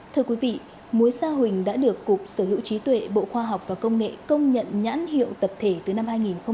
thưa quý vị mối sa huỳnh đã được cục sở hữu trí tuệ bộ khoa học và công nghệ công nhận nhãn hiệu tập thể từ năm hai nghìn một mươi